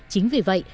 chính vì vậy